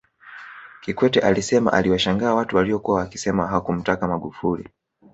Kikwete alisema aliwashangaa watu waliokuwa wakisema hakumtaka Magufuli